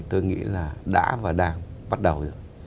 tôi nghĩ là đã và đang bắt đầu rồi